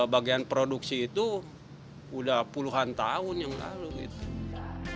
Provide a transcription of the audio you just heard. bagian produksi itu udah puluhan tahun yang lalu gitu